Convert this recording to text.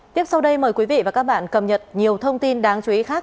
tiếp sau đây mời quý vị và các bạn cập nhật nhiều thông tin đáng chú ý khác